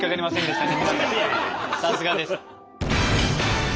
さすがです。